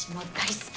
好き？